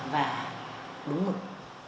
và đúng mực